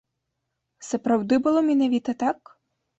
Сапраўды было менавіта так?